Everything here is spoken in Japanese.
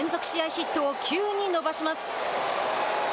ヒットを９に伸ばします。